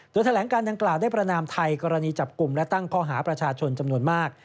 โดยแถลงการดังกล่าวได้ประนามไทยกรณีจับกลุ่มและตั้งข้อหาประชาชนจำนวนมาก